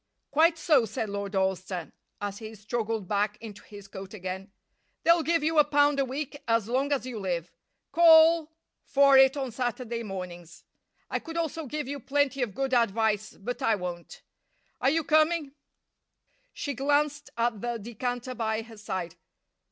"Quite so," said Lord Alcester, as he struggled back into his coat again. "They'll give you a pound a week as long as you live. Call for it on Saturday mornings. I could also give you plenty of good advice, but I won't. Are you coming?" She glanced at the decanter by her side.